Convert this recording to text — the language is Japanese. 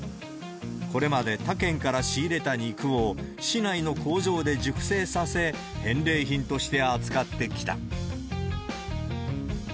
これまで他県から仕入れた肉を市内の工場で熟成させ、返礼品として扱ってきた。